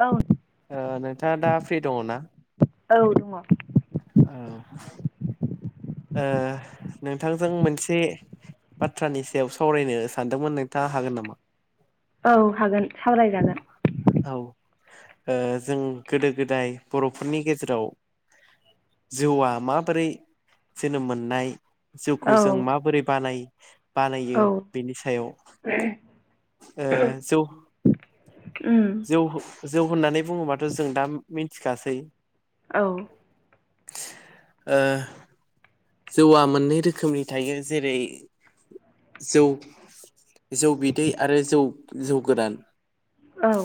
औ ओ नोंथाङा दा फ्रि दङ ना? औ दङ। ओ नोंथांजों मोनसे बाथ्रानि सायाव सावरायनो सानदोंमोन नोंथाङा हागोन नामा? औ हागोन सावरायजागोन। औ जों गोदो गोदाय बर'फोरनि गेजेराव जिउआ माबोरै जोनोम मोननाय जौखौ औ जों माबोरै बानाय, बानायो औ बेनि सायाव जौ उम जौ जौ होननानै बुङोबाथ' जों दा मिथिखासै औ ओ जौआ मोननै रोखोमनि थायो जेरै जौ जौ बिदै आरो जौ जौ गोरान औ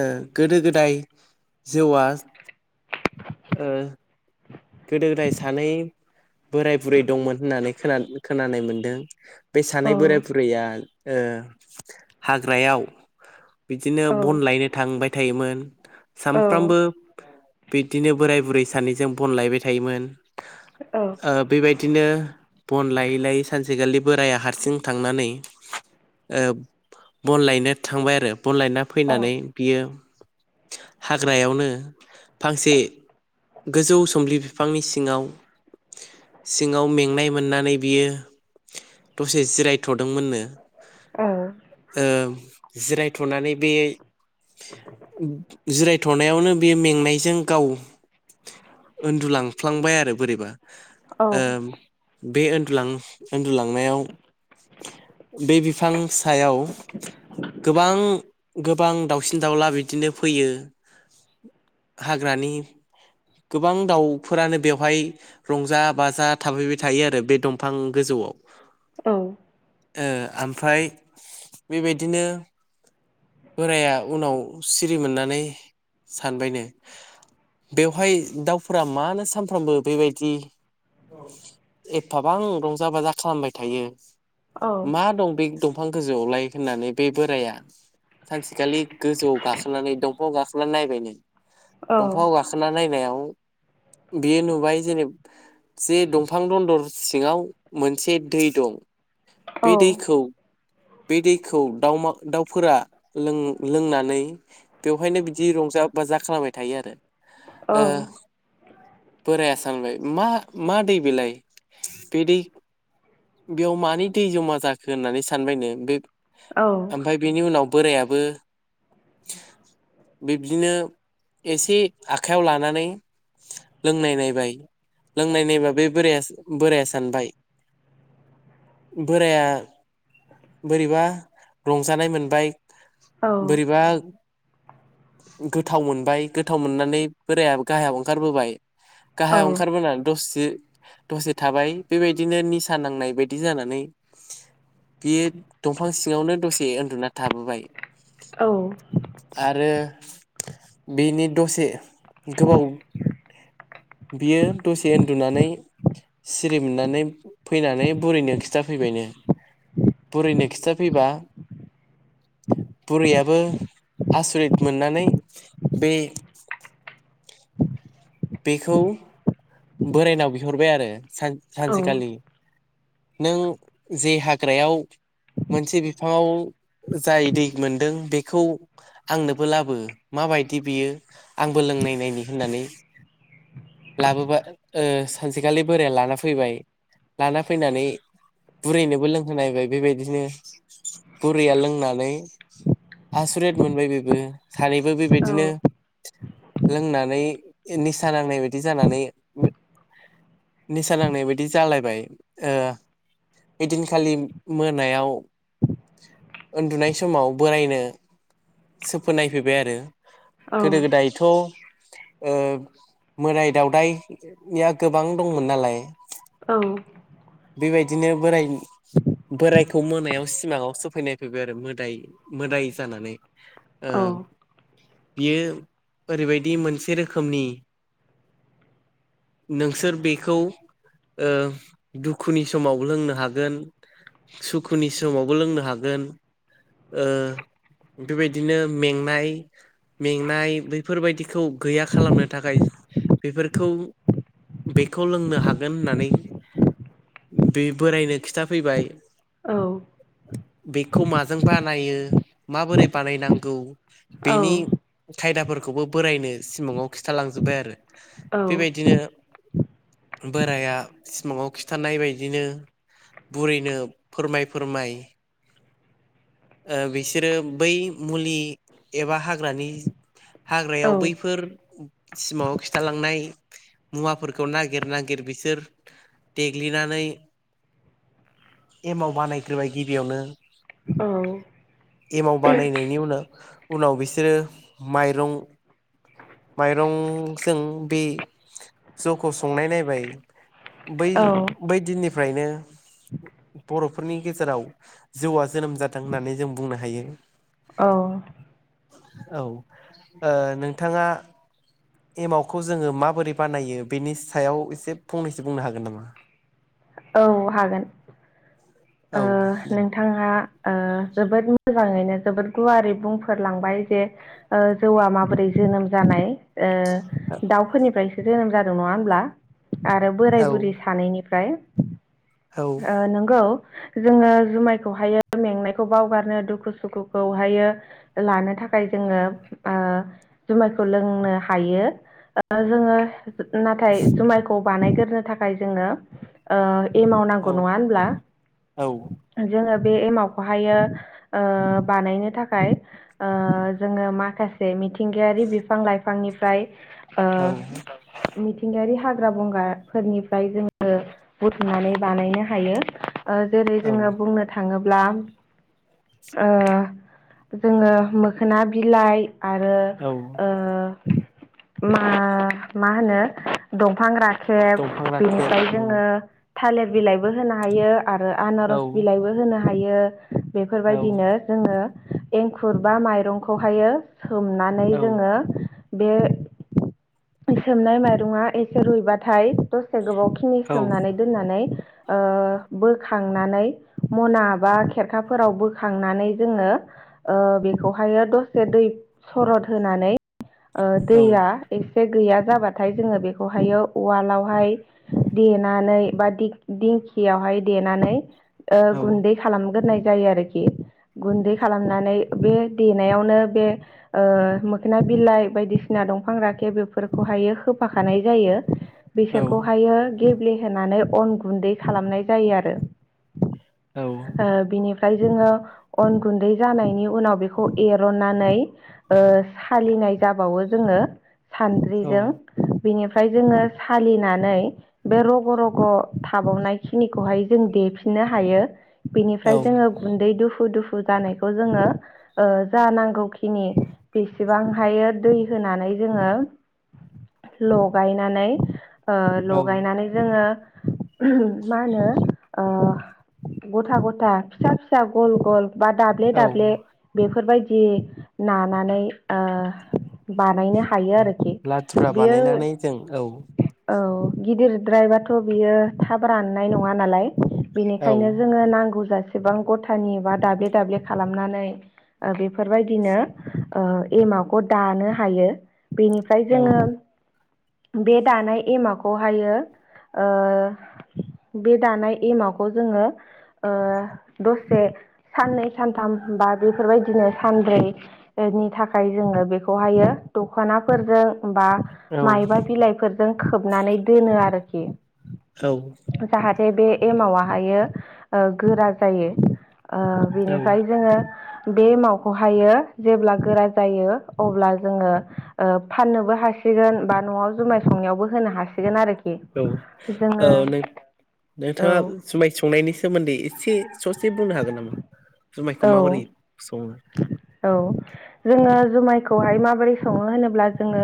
ओ गोदो गोदाय जौआ ओ गोदो गोदाय सानै बोराइ बुरै दंमोन होनानै खोना खोनानाय मोन्दों। बे औ सानै बोराय बुरैया ओ हाग्रायाव बिदिनो औ बन लायनो थांबाय थायोमोन सामफ्रामबो बिदिनो बोराय बुरै सानैजों बनलायबाय थायोमोन ओ बेबायदि बिदिनो बन लायै लायै सानसेखालि बोराइाया हारसिं थांनानै ओ बन लायनो थांबाय आरो बन लायना फैनानै बियो, हाग्रायावनो फांसे गोजौ सम्लि बिफांनि सिङाव, सिङाव मेंनाय मोननानै बियो दसे जिरायथ'दोंमोननो, ओ जिरायथ'नानै बे, जिरायथ'नायावनो बे मेंनायजों गाव, उन्दुलांफ्लांबाय आरो बोरैबा ओ बे उन्दुलांनायाव बे बिफां सायाव गोबां गोबां दाउसिन दाउला बिदिनो फैयो। हाग्रानि गोबां दाउफोरानो बेवहाय रंजा बाजा थाफैबाय थायो। आरो बे दंफां गोजौआव, औ औ ओ ओमफ्राय बेबायदिनो, बोराइाया उनाव सिरि मोननानै सानबायनो बे बेहाय दाउफोरा मानो सानफ्रामबो बेबायदि एफाबां रंजा बाजा खालामबाय थायो औ मा दं बे, दंफां गोजौआवलाय होननानै बे बोराइाया, सानसेखालि गोजौआव गाखोनानै दंफाङाव गाखोनानै नायबायनो औ औ दंफाङआव गाखोन, नायनाय बेयो नुबाय जेब जे दंफां दन्दर सिङाव मोनसे दै दं। बे दैखौ बे दैखौ दाउमा दाउफोरा लों लोंनानै बेवहायनो बिदि रं रंजा बाजा खालामबाय थायो आरो औ बोराइया सानबाय मा मा दै बिलाय बिदि, बेयाव मानि दै जमा जाखो होननानै सानबायनो बे ओमफ्राय बेनि उनाव, बोराइयाबो बिब्दिनो एसे आखाइयाव लानानै, लोंनाय नायबाय लोंनाय नायबा बे बोरा बोराया सानबाय, बोराया बोरैबा रंजानाय मोनबाय, बोरैबा गोथाव मोनबाय गोथाव मोनना नै बोराइया गाहायाव ओंखारबोबाय गाहायाव ओंखारबोनानै दस इयो दसे थाबाय बेबायदिनो निसा नांनाय बायदि जानानै, बेयो दंफां सिङावनो दसे उन्दुना थाबोबाय औ आरो बेनि दसे गोबाव बियो दसे उन्दुनानै सिरि मोननानै फैनानै बुरैनो खिथाफैबायनो बुरैनो खिथा फैबा बुरैयाबो आसरित मोननानै बे बेखौ बोरायनाव बिहरबाय आरोन सान सानसेखालि नों जे हाग्रायाव मोनसे बिफाङाव जाय दै मोनदों बेखौ आंनोबो लाबो माबायदि बियो आंबो लोंनायनायनि होननानै [inaudible] लाबोबा सानसेखालि बोराया लाना फैबाय लाना फैनानै बुरैनोबो लोंहोनायबाय बेबायदिनो बुरैया लोंनानै आसुरित मोनबाय बेबो सानैबो बेबायदिनो लोंनानै निसा नांनाय बायदि जानानै निसा नांनाय बायदि जालायबाय ओइदिनखालि मोनायाव उन्दुनाय समाव बोरायनो सोफोन नायफैबाय आरो गोदो गोदायथ' मोदाय दावदाया गोबां दंमोन नालाय औ बेबायदिनो बोराय बोरायखौ मोनायाव सिमाङाव सोफैनाय फैबाय आरो मोदाय मोदाय जानानै ओ बियो ओरैबायदि मोनसे रोखोमनि नोंसोर बेखौ दुखुनि समावबो लोंनो हागोन सुखुनि समावबो लोंनो हागोन बेबायदिनो मेंनाय मेंनाय बैफोरबायदिखौ गैया खालामनो थाखाय बेफोरखौ बेखौ लोंनो हागोन होननानै बे बोरायनो खिथाफैबाय बे खौ माजों बानायो माबोरै बानायनांगौ बेनि खायदाफोरखौ खौबो बोरायनो सिमाङाव खिथालांजोब्बाय आरो बेबायदिनो बोराया सिमाङाव खि थानाय बायदिनो बुरैनो फोरमाय फोरमाय बिसोरो बै मुलि एबा हाग्रानि हाग्रायाव बैफोर सिमाङाव खिथालांनाय मुवाफोरखौ नागिर नागिर बिसोर देग्लिनानै एमाव बानायग्रोबाय गिबियावनो। एमाव बानायनायनि उनाव उनाव बिसोरो माइरं माइरंजों बे जौखौ संनाय नायबाय। बै बै दिननिफ्रायनो बर'फोरनि गेजेराव जौआ जा जोनोम जादों होन्नानै जों बुंनो हायो। औ। औ ओ नोंथाङा एमावखौ जोङो माबोरै बानायो बेनि सायाव एसे फंनैसो बुंनो हागोन नामा। औ हागोन। ओ औ दे नोंथाङा ओ जोबोद मोजाङैनो जोबोद गुवारै बुंफोरलांबाय जे ओ जौआ माबोरै जोनोम जानाय। ओ दाउफोरनिफ्रायसो जोनोम जादों नङा होमब्ला आरो औ बोराय बुरै सानैनिफ औ ओ नोंगौ। जोङो जुमायखौहायो मेंनायखौ बावगारनो दुखु सुखुखौहायो लानो थाख थाखाय जोङो ओ जुमायखौ लोंनो हायो ओ जोङो नाथाय जुमायखौ बानायगोरनो थाखाय जोङो ओ एमाव नांगौ औ नङा होनब्ला जोङो बे एमावखौहायो ओ बानायनो थाखाय ओ जोङो माखासे मिथिंगायारि बिफां लाइफां फांनिफ्राय ओ औ मिथिंगायारि हाग्रा बंगाफोरनिफ्राय जोङो बुथुमनानै बानायनो हायो ओ जेरै औ जोङो बुंनो थाङोब ब्ला ओ जोङो मोखोना बिलाइ। आरो औ ओ मा मा होनो दंफां राख खेब दंफां राखेब बिनिफ्राय औ जोङो थालिर बिलाइबो होनो हायो। आरो औ आनारस बिलाइबो होनो हायो औ बेफोरबायदिनो जोङो एंखुर बा माइरंखौहायो सोमनानै औ जोङो बे सोमनाय माइरङा एसे रुइबाथाय दसे गोबाव खिनि औ सोमनानै दोननानै ओ बोख खांनानै मना बा खेरखाफोराव बोखांनानै जोङो ओ बेखौ हायो दसे दै सरद होनानै ओ औ दैया एसे गैया जाबाथाय जोङो बेखौहायो उवालावहाय देनानै बा दिग-दिंखियावहाय देनानै ओ औ गुन्दै खालामग्रोनाय जायो आरोखि गुन्दै खालामनानै बे देनायावनो बे ओ मोखोना बिलाइ बायदिसिना दंफां राखे बेफोरखौहायो होफाखानाय जायो। बिसोरखौहायो गेब्लेहोनानै अन गुन्दै खालामनाय जायो आरो। औ ओ बिनिफ्रा हाय जोङो अन गुैन्दै जानायनि उनाव बेखौ एर'न्नानै ओ सालि नाय जाबावो जोङो। सान्द्रिजों बिनिफ्राय जोङो सालिनानै बे रग' रग' थाबावनाय खिनिखौहाय जों देफिननो हायो औ बेनिफ्राय जोङो गुन्दै दुफु दुफु फु जानायखौ जोङो ओ जा नांगौखिनि बेसेबां हा हायो दै होनानै जोङो लगायनानै ओ औ लगायनानै जोङो मा होनो ओ गथा गथा फिसा फिसा गल गल बा दाब्ले औ दाब्ले बेफोरबायदि नानानै ओ बानायनो हायो आरोखि लाथुरा बेयो बानायनानै जों औ औ गिदिरद्रायबाथ' बियो थाब राननाय नङा नालाय औ बेनिखायनो जोङो नांगौ जासेबां गथानि बा दाबे दाब्ले खालामनानै ओ बेफोरबायदिनो ओ एमावख दानो हायो बेनिफ्राय औ जोङो बे दानाय एमाखौहायो ओ बे दानाय एमावखौ जोङो ओ दसे साननै सानथाम बा बेफोरबायदिनो सानब्रै ओनि थाखाय जोङो बेखौहायो दख'नाफोरजों बा औ मायबा बिलाइफोरजों खोबनानै दोनो आरोखि औ बे-बे एमावाहायो ओ गोरा जायो ओ बिनिफ्राय जोङो बे एमावखौहायो जेब्ला गोरा जायो अब्ला जोङो ओ फाननोबो हासि सिगोन बा न'आव जुमाय संनायावबो होनो हासिगोन आरोखि औ जोङो औ नों-नोंथाङा जुमाय संनायनि सोमोन्दै एसे ससे बुंनो हागोन नामा जुमायखौ औ माबोरै सङो औ जोङो जुमायखौहाय माबोरै सङो होनोब्ला जोङो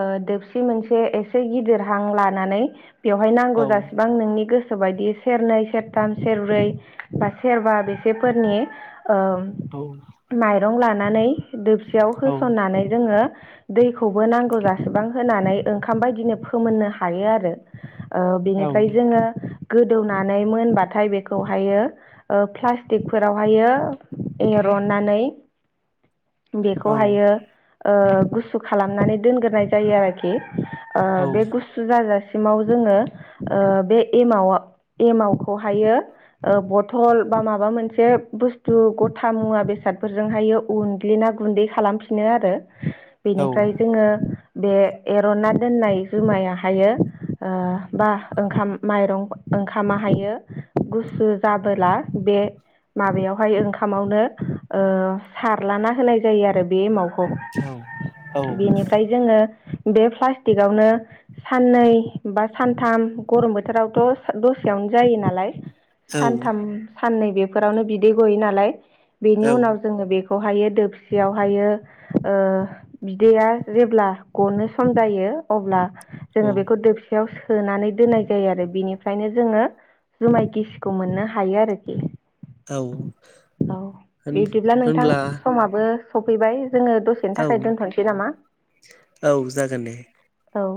ओ दोबसि मोनसे एसे गिदिरहां लानानै बेवहाय नांगौ औ जासिबां नोंनि गोस गोसो बायदियै सेरनै सेरथाम सेरब्रै बा सेरबा बेसेफोरनि ओ औ माइरं लानानै दोबसियाव औ होसननानै जोङो दैखौबो नांगौ जासोबां होनानै ओंखाम बायदिनो फोमोननो हायो आरो ओ औ बेनिफ्राय जोङो गोदौनानै मोनबाथाय बेखौहायो ओ फ्लास्टिकफोराव हायो एरननानै बेखौहायो ओ गुसु खालामनानै दोनग्रोनाय जायो आरोखि ओ बे गुसु जाजासे माव जोङो ओ बे एमावा-एमावख'हायो ओ बथल बा माबा मोनसे बुस्थु गथा मुवा बेसादफोरजोंहायो उनग्लिना गुन्दै खालामफिनो आरो बेनिफ्राय जोङो बे एर'ना दोननाय जुमायाहायो ओ बाह ओंखाम माइरं ओंखामाहायो। गुसु जाबोला बे माबायावहाय ओंखामावनो ओ सारलाना होनाय जायो आरो बे एमावखौ औ बेनिफ्राय जोङो बे फ्लास्टिकआवनो साननै बा सानथाम गरम बोथोरावथ' स दसेयावन जायो नालाय सानथाम साननै बेफोरावनो बिदै गयो नालाय बेनि उनाव जोङो बेख खौहायो दोबसियावहायो ओ बिदैया जेब्ला गनो सम जायो अब्ला जोङो बेखौ दोबसेयाव सो सोनानै दोननाय जायो आरो बिनिफ्रायनो जोङो जुमाय गिसिखौ मोननो हायो आरोखि। होन औ बिदिब्ला नोंथां होनब्ला समाबो सफैबाय जोङो दसेनि औ थाखाय दोनथ'निसै नामा? औ जागोन दे। औ